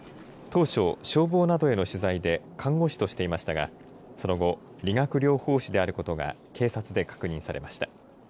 当初、消防などへの取材で看護師としていましたが、その後、理学療法士であることが警察で確認されました。